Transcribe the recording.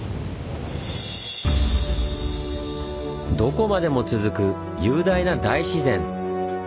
どこまでも続く雄大な大自然。